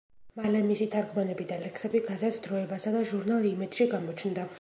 მალე მისი თარგმანები და ლექსები გაზეთ „დროებასა“ და ჟურნალ „იმედში“ გამოჩნდა.